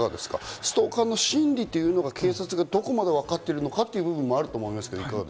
ストーカーの心理というのを警察がどこまでわかっているかという部分もあると思いますが。